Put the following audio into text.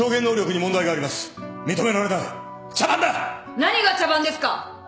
何が茶番ですか！